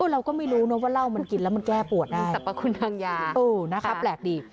เราก็ไม่รู้นะว่าเหล้ามันกินแล้วมันแก้ปวดนะสรรพคุณทางยานะคะแปลกดี